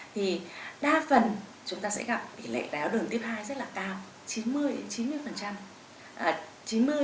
thì đa phần chúng ta sẽ gặp tỷ lệ đáy áo đường tiếp hai rất là cao